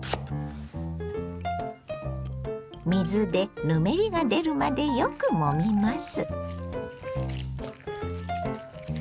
水でぬめりが出るまでよくもみます。